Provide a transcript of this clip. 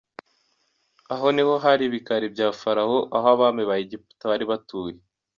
Aho ni ho hari ibikari bya Farawo, aho abami ba Egiputa bari batuye.